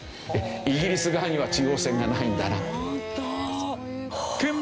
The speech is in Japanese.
イギリス側には中央線がないんだな。